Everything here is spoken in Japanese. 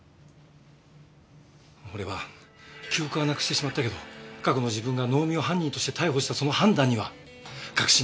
俺は記憶はなくしてしまったけど過去の自分が能見を犯人として逮捕したその判断には確信がある。